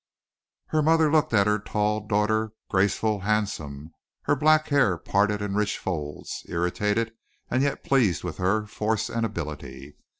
Her mother looked at her tall daughter, graceful, handsome, her black hair parted in rich folds, irritated and yet pleased with her force and ability.